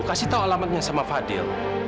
kasih tahu alamatnya sama fadil